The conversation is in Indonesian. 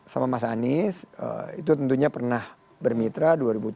sama mas anies itu tentunya pernah bermitra dua ribu tujuh belas